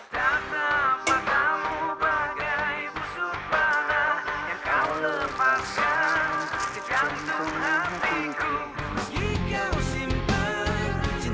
jadi kamu dua progressive itu kan